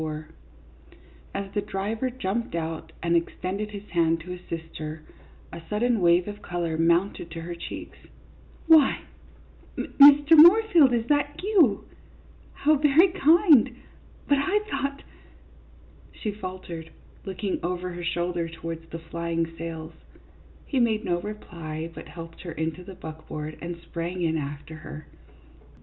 CLYDE MOORFIELD, YACHTSMAN. 5/ As the driver jumped out and extended his hand to assist her, a sudden wave of color mounted to her cheeks. "Why, Mr. Moorfield, is that you? How very kind ! But I thought " She faltered, looking over her shoulder towards the flying sails. He made no reply, but helped her into the buckboard and sprang in after her.